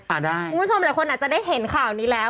คุณผู้ชมหลายคนอาจจะได้เห็นข่าวนี้แล้ว